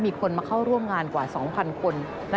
มีคนมาเข้าร่วมงานกว่า๒๐๐คน